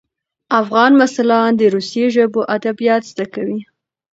افغان محصلان د روسي ژبو ادبیات زده کوي.